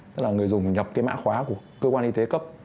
tức là người dùng nhập cái mã khóa của cơ quan y tế cấp